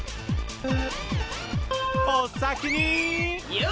おさきに！よ